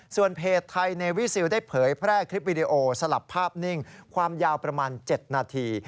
ส่วนเพจไทยเนวี่ซิลได้เผยแพร่คลิปวิดีโอสลับภาพนิ่งความยาวประมาณ๗นาที